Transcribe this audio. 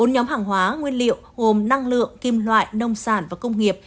bốn nhóm hàng hóa nguyên liệu gồm năng lượng kim loại nông sản và công nghiệp